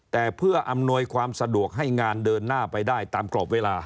แต่เพื่ออำนวยความสะดวกให้งานเดินหน้าไปได้ตามกรอบเวลา